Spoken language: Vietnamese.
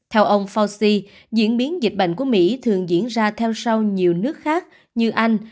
theo ông fauci diễn biến dịch bệnh của mỹ thường diễn ra theo sau nhiều nước khác như anh